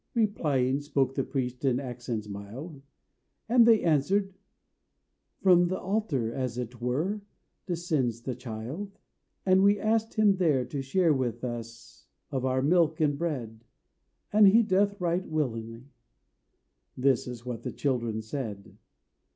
replying Spoke the priest in accents mild; And they answered, "From the altar, As it were, descends the child. "And we asked him then to share With us of our milk and bread; And he doth, right willingly;" This is what the children said.